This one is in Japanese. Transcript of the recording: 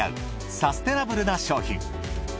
サステナブルな商品。